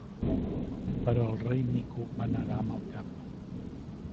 Però el Rei Mico va negar amb el cap.